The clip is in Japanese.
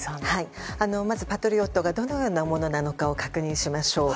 まず、パトリオットがどのようなものなのかを確認しましょう。